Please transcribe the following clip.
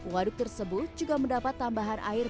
waduk tersebut juga mendapat tambahan air